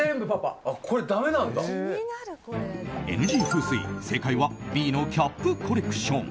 ＮＧ風水、正解はＢのキャップコレクション。